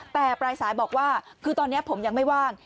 แต่ปลายสายบอกว่าคือตอนนี้ผมยังไม่ว่าง